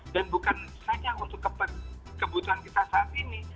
dan bukan hanya untuk kebutuhan kita saat ini